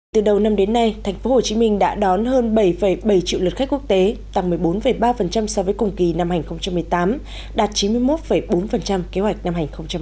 từ đầu năm đến nay thành phố hồ chí minh đã đón hơn bảy bảy triệu lượt khách quốc tế tăng một mươi bốn ba so với cùng kỳ năm hai nghìn một mươi tám đạt chín mươi một bốn kế hoạch năm hai nghìn một mươi chín